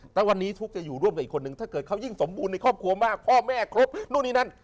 แต่วันนี้ทุกข์จะอยู่ร่วมกับอีกคนนึงถ้าเกิดเขายิ่งสมบูรณ์ในครอบครัวมากพ่อแม่ครบนู่นนี่นั่น